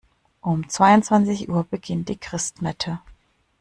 Um zweiundzwanzig Uhr beginnt die Christmette.